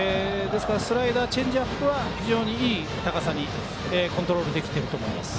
スライダー、チェンジアップは非常にいい高さにコントロールできていると思います。